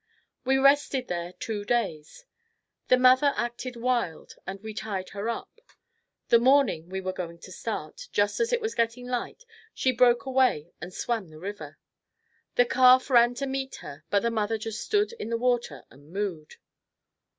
We rested there two days. The mother acted wild and we tied her up. The morning we were going to start, just as it was getting light, she broke away and swam the river. The calf ran to meet her but the mother just stood in the water and mooed.